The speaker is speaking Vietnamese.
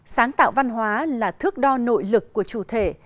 sáng tạo văn hóa là thước đo nội lực của chủ thể